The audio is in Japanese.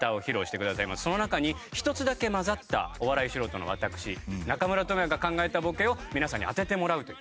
その中に１つだけ交ざったお笑い素人の私中村倫也が考えたボケを皆さんに当ててもらうという。